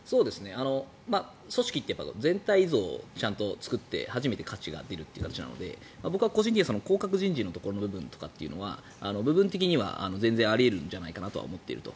組織って全体像をちゃんと作って初めて価値が出るので僕は個人的には降格人事の部分とかは部分的には全然あり得るんじゃないかと思っていると。